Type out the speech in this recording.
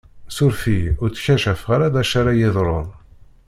Suref-iyi, ur tkacafeɣ ara d acu ara yeḍṛun!